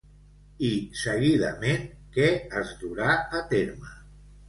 I seguidament què es durà a terme?